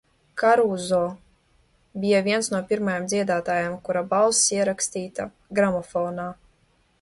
Karūzo bija viens no pirmajiem dziedātājiem, kura balss ierakstīta gramofonā.